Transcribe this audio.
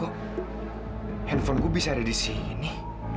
tidak ada di sini